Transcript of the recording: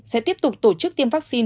sẽ tiếp tục tổ chức tiêm vaccine